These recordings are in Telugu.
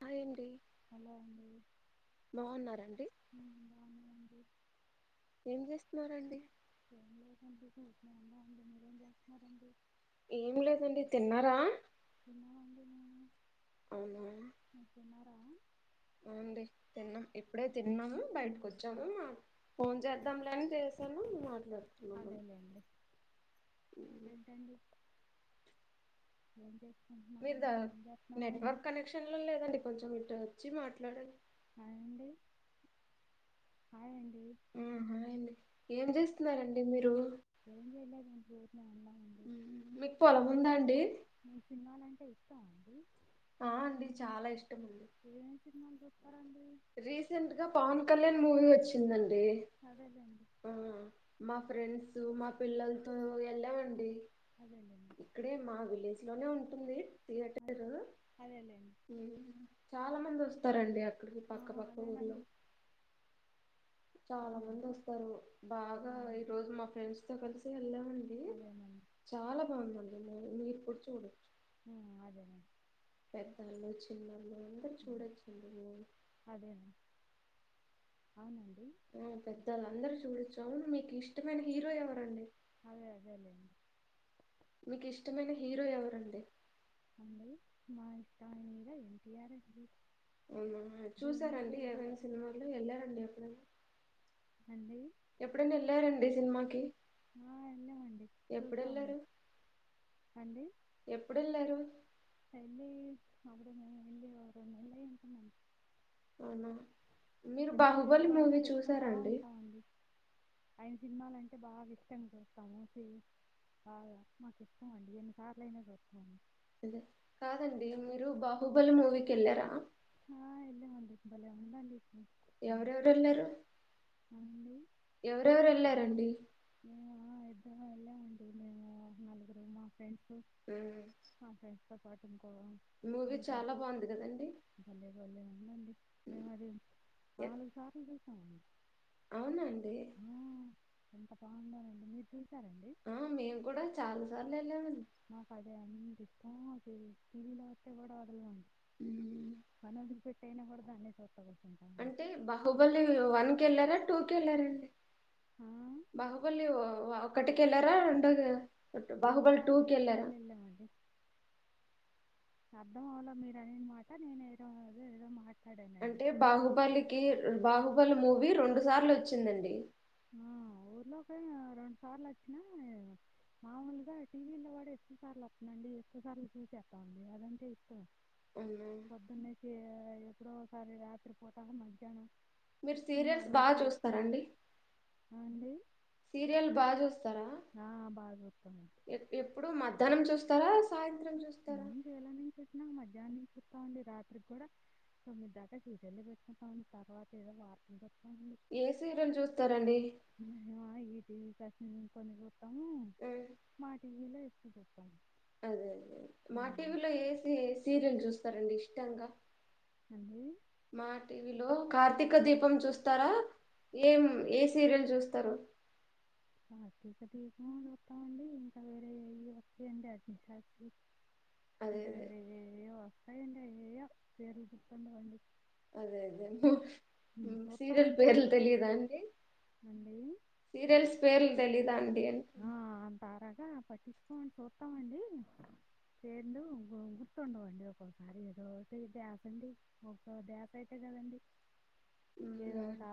హాయ్ అండి హలొ అండి బాగున్నారండి బాగున్నా అండి ఏం చేస్తున్నారండి ఉరికినే ఉన్నా అండి మీరేం చేస్తున్నారండి ఏం లేదండి తిన్నారా అవునా నిను తిన్న అవునండి తిన్నాం ఇప్పుడే తిన్నాము బయటికి వచ్చాము ఫోన్ చేద్దాంలేని చేసాను నువ్వు మాట్లాడా అదే లేండి ఇప్పుడు ఏంటాండి ఏం చే మీరు ద నెట్వర్క్ కనెక్షన్ లో లేదండి కొంచెం ఇటు వచ్చి మాట్లాడండి అవునండి అవున్ ఏం చేస్తున్నారండి మీరు ఏం చేయలేదు మీకు పొలం ఉందా అండి తెలుసా అండి ఆ అండి చాలా ఇష్టం అండి [inaudible] చిన్నొల్లు రీసెంట్ గా పవన్ కళ్యాణ్ మూవీ వచ్చిందండి అదేలేండి ఓ మా ఫ్రెండ్స్ మా పిల్లలతో వెళ్ళామండి అదేలేండి ఇక్కడే మా విలేజ్ లోనే ఉంటుంది అదే థియేటర్ అదేలేండి చాలా మంది వస్తారండి అక్క ఆ, పక్క పక్క ఊర్లొ అదేనండి చాలా మంది అవునండి వస్తారు బాగా ఈ ఉమ్, రోజు మా ఫ్రెండ్స్ తో కలిసి వెళ్లామండి అదేనండి చాలా బాగుందండి మూవీ నువ్వు ఇప్పుడు చూడు మ్మ్ అదేను పెద్దొల్లు చిన్నల్లు అంతా ఉమ్, చూడొచ్చు మూవీ అదేనండి అవునండి [inaudible] ఆ పెద్దళ్ళు అందరు చూడొచ్చు అవును మీకు ఇష్టమైన హీరో ఎవరండి అదే అదేలేే మీకు ఇష్టమైన హీరో ఎవరండి మా నా ఇష్టమైన హీరో ఎన్టీఆర్ అవునా జూనియర్ చూసారండి ఏవైనా ఎన్టీఆర్ సినిమాలు వెళ్ళారండి ఎప్పుడైనా అండి ఎప్పుడైన వెళ్ళారండి సినిమాకి ఆ, వెళ్ళామండి ఎప్పుడెలారు చూసామండి అండి ఎప్పుడెళ్లారు వెళ్ళ అప్పుడు [unintelligible] అంటున్నాండి అవునా మీరు ఎప్పుడు బాహుబలి ఏదో ఒకటి మూవీ పెట్టుకుంటా చూసారండి ఉంటామండి ఆయన సినిమాలంటే బాగా ఇష్టం చూస్తాము ఆ మాకు ఇష్టం అండి ఎన్నిసార్లు అయినా చూస్తాము అదే కాదండి మీరు బాహుబలి మూవీకి వెళ్ళారా ఆ వెళ్ళామండి బలే ఉందండి సి సినిమా ఎవరెవరెలారు అండి ఎవరెవరెలారండి మేము ఇద్దరము వెళ్ళామండి మేము నలుగురు మా ఫ్రెండ్స్ ఊ తో పాటు మూవీ చాలా బాగుంది కదండి భలేె బలేె ఉందండి మేము మరి నాలుగు సార్లు చూసామండి అవునా అండి ఆ! ఎంత బాగుందొనండి మీరు చూసారండి? ఆ మేము కూడా చాలా సార్లు వెళ్ళామండి నాకు అదే అంత ఇష్టం టీ వీ లో వస్తే కూడా వదల అండి మ్మ్. పనీ వదులుపెట్టైనా దాన్నే చూస్తా కూర్చుంటామండి. అంటే బాహుబలి వన్ కెళ్ళారా టూ కేళ్ళారాండి ఆ! బాహుబల్లి ఒకటికి వెళ్ళారా రెండోదా రెండు సార్లు మూడు సార్లు ఎల్లం అండి అర్థం అవలే మీరు అనినా మాట నేను ఏదోదో ఏదో మాట అంటే బాహుబలికి బాహుబలి మూవీ రెండు సార్లు వచ్చిందండి ఆ ఊర్లోక రెండు సార్లు అచ్చిన మామూలుగా టీవీ లో కూడా ఎక్కువ సార్లు వస్తునండి ఎక్కువ సార్లు చూసేస్తామండి అదంటే ఇష్టం అవునా పొద్దున్నేసి ఎప్పుడోసారి రాత్రి పూట నా మధ్యాహ్నం మీరు సీరియల్స్ బాగా చూస్తారండి అ అండి సీరియల్ బాగా చూస్తారా బాగా చూస్తామండి ఎప్పుడు మధ్యాహ్నం చూస్త హ్నం చూస్తారా సాయంత్ర [unintelligible] మధ్యాహ్న నిం వాండి రాత్రికి కూడా తొమ్మిది దాకా సీరియల్స్ ఏ పెట్టుకుంటామండి తర్వాత ఏదో వత ఏ సీరియల్ చూస్తారండి మేము ఈ టీవీ కసి కొన్ని చూస్తాము ఆ, మా టీవీలో ఎక్కువ చూస్తాము అదే అదే మా అవునండి టీవీలో ఏ సీరియల్ చూస్తారండి ఇష్టంగా అండి మా టీవీలో కార్తీక దీపం చూస్తారా ఏం ఏ సీరియల్ చూస్తారు ప్రత్యక తీ చూస్తామండి ఇంకా వేరే అ వస్తాయండి అగ్నిష్ అదే ఇంకా అదే వేరే వస్తాయండి ఏ పేర్లు గుర్తుండవండి అదే అదే మేము చూస్తాం సీరియల్ అంతే పేర్లు తెలియదా అండి అండి సీరియల్స్ పేర్లు తెలిదా అండి అంటున్నా ఆ అంతరాగా పట్టించుకోమడి చూస్తామండి పేర్లు గుర్తుండవండి ఒక్కోసారి ఏదో ద్యాసాండి ఒక ధ్యాస అయితే కదా ఉ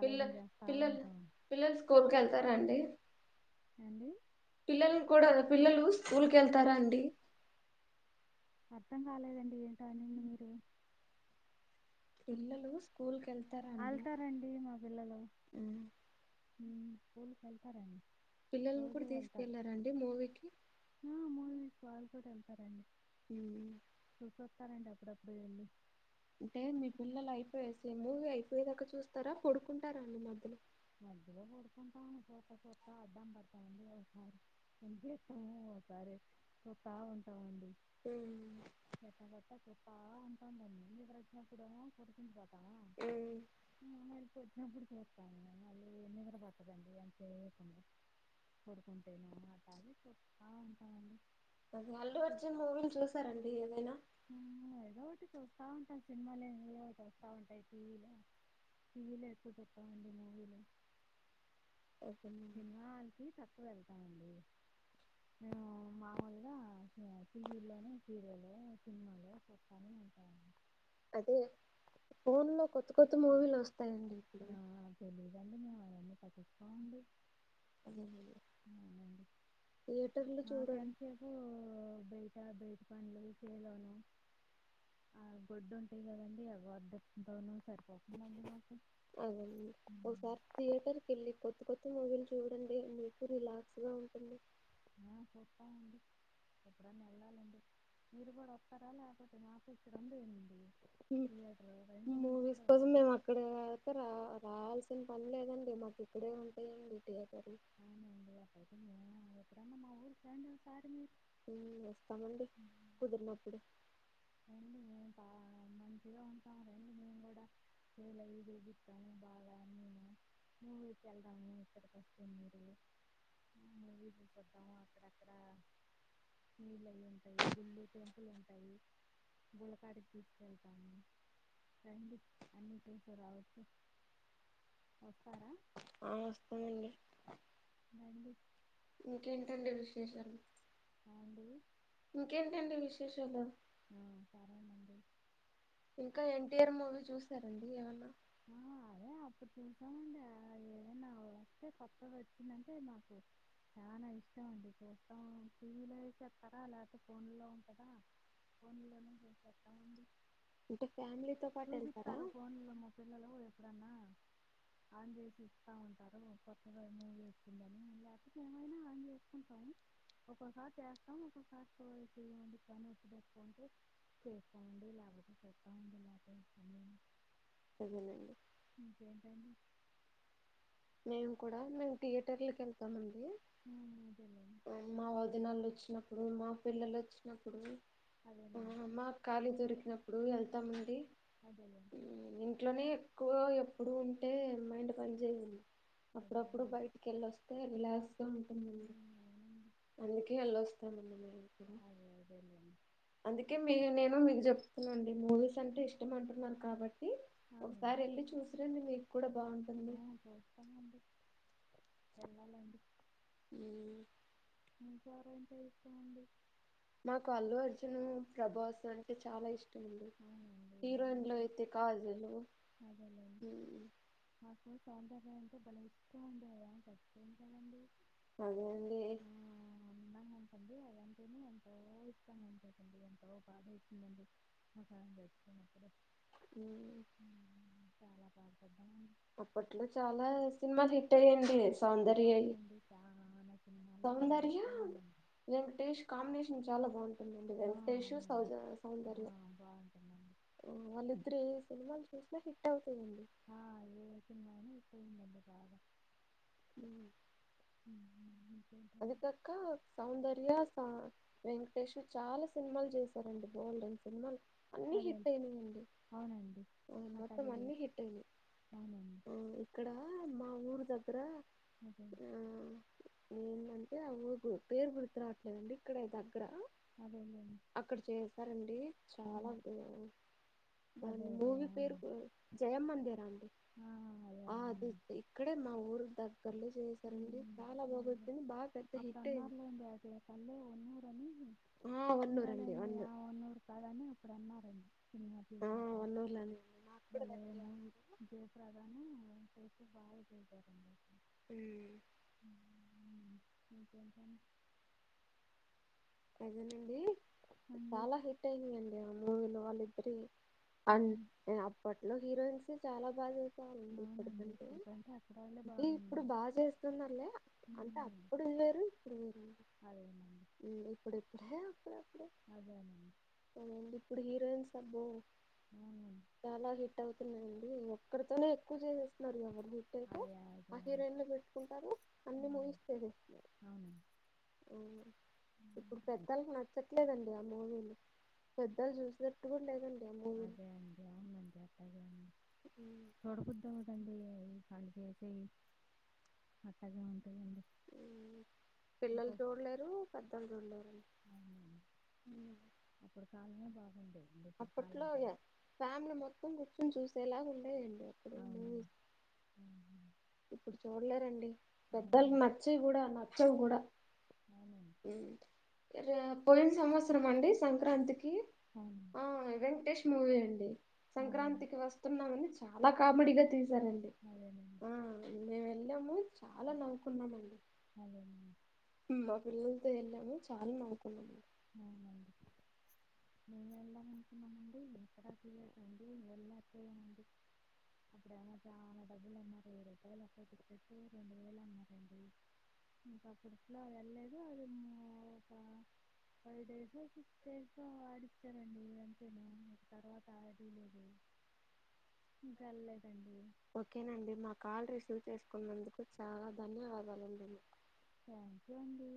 పిల్ల చేస్తా పిల్లలు ఉంటాం పిల్లలు స్కూల్కి వెళ్తారా అండి అండి పిల్లలను కూడా పిల్లలు స్కూల్కి వెళ్తారా అండి అర్థం కాలేదండి ఏంటో అనింది మీరు పిల్లలు స్కూల్ కి వెళ్తారా అండి వెళ్తారండి మా పిల్లలు మ్మ్ ఉ స్కూల్కి వెళ్తారండి పిల్లలను రోజు కూడా వెళ్తార తీసుకెళ్లారండి మూవీకి ఆ మూవీస్ వాళ్ళు కూడా వెళ్తారండి ఉ వస్తారండీ అప్పుడప్పుడు వెళ్ళి అంటే మీ పిల్లలు అయిపోయేసి మూవీ అయిపోయేదాకా చూస్తారా పడుకుంటారా అండి మధ్యలో మధ్యలో కూడుకుంటాము చుత్త చుత్త అడ్డం పడతామండి ఒకసారి [inaudible] ఒకసారి చుత్త ఉంటాం అండి ఎత్త కొట్ట చుత్త ఉంటామ్ దాన్ని నిద్ర వచ్చినప్పుడేమో కూర్చుని పోతాం ఉ మెలుకువ వచ్చినప్పుడు చూత్తము నిద్ర పట్టదండి [inaudible] పడుకుంటేను అట్టనీ చుత్త ఉంటామండి అదే అల్లు అర్జున్ మూవీలు చూసారండి ఏమైనా ఉమ్, ఏదో ఒకటి చూస్తా ఉంటాం సినిమాల ఏదో ఒకటి వస్తా ఉంటాయి టీవీలో టీవీ లో ఎక్కువ చుత్తం అండి మూవీలు అదేనండి సినిమా హాల్ కి తక్కువ వెళ్తాం మండి మేను మాముూలుగా టీవీ లోనే సీరియల్ సినిమాలు చుత్తనే ఉంట మండి అదే ఫోన్ లో కొత్త కొత్త మూవీలు వస్తాయండి ఇప్పుడు ఆ, తెలీదండి మేము అవన్నీ పట్టించుకోమండి అదేనండి అవునండి థియేటర్లు మాకు చూడండి ఎంతసేపు బయ బయట పన్లు సేలోను ఆ గొడ్డు ఉంటాయి కదండి గోడ్లతోనూ సరిపోతుందండి మాకు అవునండి ఒకసారి థియేటర్ కి వెళ్ళి కొత్త కొత్త మూవీలు చూడండి మీకు రిలాక్స్ గా ఉంటుంది ఆ పోతాం అండి ఎప్పుడన్నా వెళ్ళాలండి మీరు కూడా వస్తారా లేకపోతే మాకు ఇక్కడ [inaudible] థియేటర్ రండి మీరు కూడా మూవీస్ కోసం ఒకసారి మేము అక్కడ అతే రా రావల్సి పనిలేదండి మాకు ఇక్కాడే ఉంటాయియండి థియే అవునండి అట్లాయితే మేము ఎప్పుడన్నా మా ఊరుకి రండి ఒక సారి మీరు ఊ వస్తామండి కుదిరినప్పుడు రండి మేము బా [inaudible] ఉంటాం రండి మేము కూడా చేలు అవి చూపిత్తమూ బాగా అన్నినూ మూవీ కి వెళ్దాము ఇక్కడికి వస్తె మీరు మూవీ చూసొద్దాము అక్కడ అక్కడ నీళ్ళ అవి ఉంటాయి గుళ్ళు టెంపుల్ ఉంటాయి గుల్లకాటికీ తీసుకెళ్తాము రండి అన్ని చూసు రావచ్చు వస్తారా! ఆ వస్తానండి రండి ఇంకేంటండి విశేషాలు, రండి ఇంకేంటండి విశేషాలు ఆ సరేనండి ఇంకా ఎన్టీఆర్ మూవీ చూస్తారండి ఏమన్నా ఆ, అదే అప్పుడు చూసామండి, ఏదనా వస్తే కొత్త వచ్చిందంటే మాకు చానా ఇష్టం అండి చూస్తాం, టీవీలో చెప్తరా లేకపోతే ఫోన్ లో ఉంటందా. ఫోన్ లోచూచేస్తామండి, అంటే ఫ్యామిలీతో పాటు వెళ్తారా చూపిస్తారు ఫోన్ లో ఫోన్ ఎప్పుడన్నా ఆన్ జేసి ఇస్తా ఉంటారు కొత్తగా మూవీ వచ్చిందని, లేకపోతే మీమైనా ఆన్ జేసుకుంటాం. ఒక్కొసారి చేస్తాం, ఒక్కోసారియ పని వత్తిడి ఎక్కువ ఉంటే, పని ఉంటే చేస్తా అండి లేకపోతే చూస్తా అండీ లేగతే అన్న అదేలేండి [unintelligible] మేము కూడా మేము థియేటర్లకు యెళ్తామండి, ఉమ్, అదేలేండి మా వదినళ్ళు వచ్చినప్పుడు, మా పిల్లలు వచ్చినప్పుడు, ఆ అదేలేండి మాకు ఖాళీ దొరికినప్పుడు యెళ్తామండి, అదేలేండి ఇంట్లోనే ఎక్కువ, ఎప్పుడు ఉంటే మైండ్ పని చేయదండి. అప్పుడప్పుడు, అదేలేండి బయటికి వెళ్ళి వస్తే రిలాక్స్ గా ఉంటుందండి. ఉమ్, అవునండి అందుకే యెళ్లొస్తామండీ, మేము కూడా అదే అదేలేండి. అందుకే మీ నేను మీకు చెప్తునండి, మూవీస్ అంటే ఇష్టం అంటున్నారు, కాబట్టి అవునండి ఒకసారి వెళ్ళి చూసిరండి మీకు కూడా బాగుంటుంది. వేళ్ళాలండి ఉమ్ మీకు ఎవరు అంటే ఇష్టం అండి మాకు అల్లు అర్జును ప్రభాస్ అంటే చాలా ఇష్టం అవునండి హీరోయిన్ లో ఉమ్, అయితే కాజలు అదేలేండి నాకు సౌందర్య అంటే బాలే ఇష్టం అండి అ చచ్చిపోయింది కాదా అండీ అదే అండి అందంగా ఉంటుంది, అదంటేనే ఎంతో ఇష్టంగా ఉంటుదండి, ఎంతో బాధ ఇస్తుందండి. మాకు ఆమె చచ్చిపోయినపుడు, ఉమ్ చాలా బాధపడం అప్పట్లో చాలా సినిమాలు హిట్ అయ్యండి సౌందర్యయి అవునండి చాలా సినిమాల్లో భలే సౌందర్య, హిట్ అయ్యిందండి వెంకటేష్ కాంబినేషన్ చాలా బాగుంటుంది. ఆ, వెంకటేష్, అవునండి ఆ, సౌందర్య బాగుంటుందండి వాళ్లు ఇద్దరు ఏ సినిమాలు చేసిన హిట్ అవు ఈ మధ్య బాగా ఉమ్ ఉమ్, అది ఇంకేంటండి కాక సౌందర్య, వెంకటేష్ చాలా సినిమాలు చేశారండి బోల్డెన్ సినిమాలు అన్ని అదే హిట్ అయినాయండి అవునండి ఆ మొత్తం అట్లాగే అన్ని చేసి హిట్ అయినాయి, అవునండి ఇక్కడ మా ఊరు దగ్గర ఆ అదే ఏంటంటే ఆ ఊరు పేరు గుర్తు రావట్లేదండి, ఇక్కడే దగ్గర అదేలేండి అక్కడ చేసారండి చాలా ఉమ్, అదే దాని అదే మూవీ అవునండి పేరు జయం మనదే రా అండి ఆ! అదే ఆ అది అవునండి. ఇక్కడే మా ఊరు దగ్గర్లో చేసారండి, చాలా బాగు అప్పుడు అన్నారు, లేండి అటైప్ ఉన్న ఊర్లు ఆ వన్నూరు అండి ఉండాలండి ఆ వన్నూరు ఒన్నూరు కాదని అప్పుడు అన్నారండి సినిమా ఆ తీసినప్పుడు వన్నూరు లోనే అండి నాకు కూడా దగ్గరే మళ్ళేమో వన్నూరు. జయప్రద బాగా చే ఉమ్ ఉమ్ ఇంకా ఏం పని అదేనండి చాలా హిట్ అయినాయండి ఆ మూవీలు వాళ్ళిద్దరి ఆన్ అవును. నేను అప్పట్లో హీరోయిన్స్ నీ చాలా బాగా అవునండి. ఇప్పుడు కంటే అప్పుడాళ్ళే ఇ ఇప్పుడు బాగుందండి. బాగా చేస్తున్నారు లే హ్మ్. అంటూఅంటే అవును. అప్పుడు ఇప్పుడు కూడా అదేనండి. అండి ఇప్పుడిప్పుడే అప్పుడప్పుడే అదేనండి. అండి ఇప్పుడు హీరోయిన్స్ అబ్బో అవునండి. చాలా హిట్ అవుతున్నాయి అండి ఒక్కడితోనే ఎక్కువ చేసేస్తున్నారు కదా టైకో అదే అదే ఆ అండి. హీరోయిన్లు పెట్టుకుంటారు అన్ని అవునండి. మూవీస్ చేసేస్తున్నారు అవునండి. అ ఇప్పుడు పెద్దలకు నచ్చట్లేదండి ఆ మూవీలు పెద్దలు చూసి నట్టుకూడా లేదు అండి ఉమ్, చూడ బుద్ధి అవదు అండి ఈ కట్ చేసి అట్టాగే ఉంటాయండి యూ పిల్లలు చూడలేరు పెద్దలు చూడలేరు అవును ఉమ్, అప్పుడు కాలమే బా అప్పట్లో ఫ్యామిలీ మొత్తం కూర్చొని చూసే లాగా ఉండే దండి అవునండి అవును. ఇప్పుడు చూడలేరండి పెద్దలకి అవునండి నచ్చవి కూడా నచ్చవు కూడా అవునండి రే పోయిన సంవత్సరం అండి సంక్రాంతి కి అవునండి ఆ వెంకటేష్ మూవీ అండి అదేనండి సంక్రాంతికి వస్తున్నామని చాలా కామెడీగా తీస్ అదేనండి ఆ మేము వెళ్ళాము చాలా నవ్వుకున్నామండీ అదేనండి మా పిల్లలతో వెళ్ళాము చాలా నవ్వుకున్నాం అవునా అండి మేము వెళ్దాం అనుకున్నామండి ఎక్కడా తియకాండి వెళ్ళలేకపోయామండి అప్పుడేమో చాలా డబ్బులు అన్నారు వెయ్యి రూపాయలు ఒక్కో టికెట్టు రెండు వేలు అన్నారు అండి ఇంకా అప్పుడు ఏట్లో వెళ్లలేదు ఆది మో కా ఫైవ్ డేస్ ఓ సిక్స్ డేస్ ఓ ఆడించారు అండి అంతేను ఇంక తర్వాత ఆడి లేదు ఇంకా వెళ్ళలేదండి ఓకే నండి మా కాల్ రిసీవ్ చేసుకున్నందుకు చాలా ధన్యవాదాలు అండి మీకు థ్యాంక్ యూ అండి